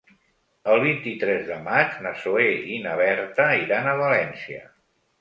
El vint-i-tres de maig na Zoè i na Berta iran a València.